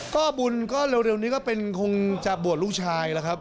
ก็บุญก็เร็วนี้ก็เป็นคงจะบวชลูกชายแล้วครับ